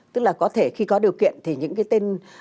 tức là có thể khi có điều kiện thì những cái tên